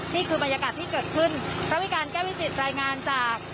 นี่คือบรรยากาศที่เกิดขึ้นระวิการแก้วิจิตรายงานจาก